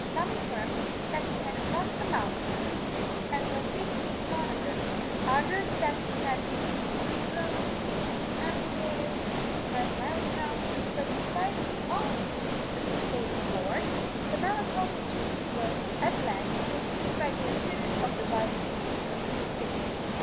Some affirmed that he had crossed the mountains, and was seen in Monaghan; others, that he had been seen in Clones, in Emyvale, in Five mile town; but despite of all these agreeable reports, the melancholy truth was at length made clear by the appearance of the body as just stated.